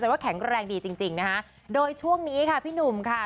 แต่ว่าแข็งแรงดีจริงจริงนะคะโดยช่วงนี้ค่ะพี่หนุ่มค่ะ